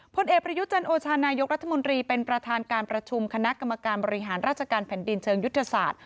พลเอกประยุจันโอชานายกรัฐมนตรีเป็นประธานการประชุมคณะกรรมการบริหารราชการแผ่นดินเชิงยุทธศาสตร์